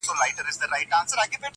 سترگه وره انجلۍ بيا راته راگوري.